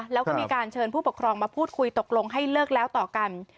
แล้วก็มีการเชิญผู้ปกครองมาพูดคุยตกลงให้เลิกแล้วต่อกัน